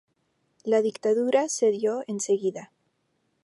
La Dictadura cedió enseguida.